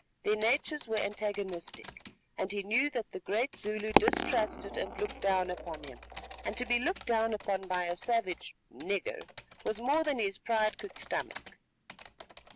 Their natures were antagonistic, and he knew that the great Zulu distrusted and looked down upon him, and to be looked down upon by a savage "nigger" was more than his pride could stomach.